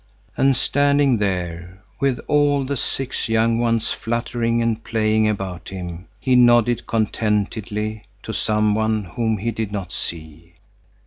And standing there with all the six young ones fluttering and playing about him, he nodded contentedly to some one whom he did not see.